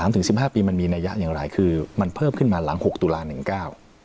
๓ถึง๑๕ปีมันมีนัยะอย่างไรคือมันเพิ่มขึ้นมาหลัง๖ตุลา๑เก้า